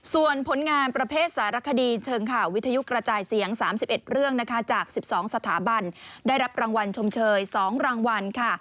ส่วนผลงานประเภทสารคดีเชิงข่าววิทยุกระจายเสียง๓๑เรื่องจาก๑๒สถาบันได้รับรางวัลชมเชย๒รางวัล